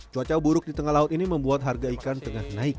cuaca buruk di tengah laut ini membuat harga ikan tengah naik